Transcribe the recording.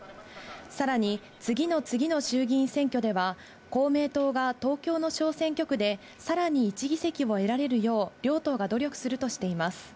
さらに次の次の衆議院選挙では、公明党が東京の小選挙区で、さらに１議席を得られるよう両党が努力するとしています。